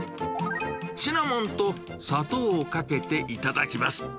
シナモンと砂糖をかけて頂きます。